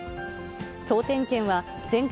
総点検は、全国